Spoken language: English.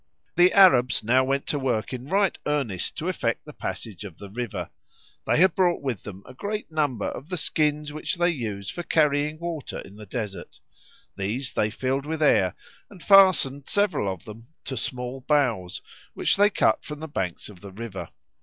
The Arabs now went to work in right earnest to effect the passage of the river. They had brought with them a great number of the skins which they use for carrying water in the desert; these they filled with air, and fastened several of them to small boughs which they cut from the banks of the river.